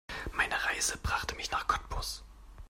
Meine Reise brachte mich nach Cottbus